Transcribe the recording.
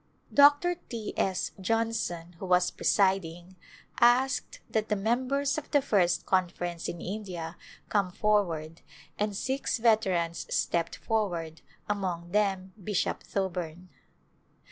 Dr. 1\ S. Johnson, who was presiding, asked that the mem bers of the First Conference in India come forward and six veterans stepped forward, among them Bishop Thoburn.